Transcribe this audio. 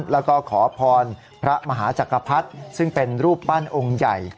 แล้วก็ขอพรพระมหาจักรพรรดิซึ่งเป็นรูปปั้นองค์ใหญ่